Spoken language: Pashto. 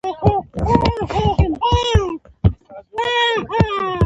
پیاز د شفتالو سره یو ځای نه خوړل کېږي